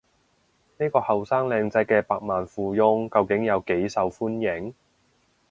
呢個後生靚仔嘅百萬富翁究竟有幾受歡迎？